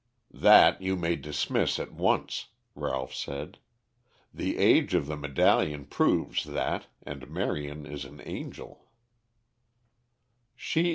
"That you may dismiss at once," Ralph said. "The age of the medallion proves that and Marion is an angel."